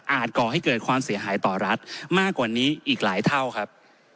ก่อให้เกิดความเสียหายต่อรัฐมากกว่านี้อีกหลายเท่าครับ